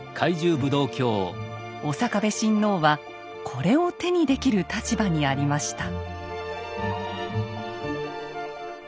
刑部親王はこれを手にできる立場にありました。